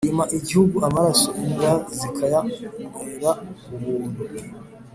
Wima igihugu amaraso, imbwa zikayanwera ubuntu.